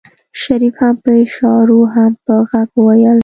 شريف هم په اشارو هم په غږ وويل.